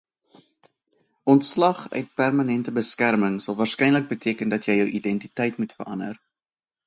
Ontslag uit permanente beskerming sal waarskynlik beteken dat jy jou identiteit moet verander.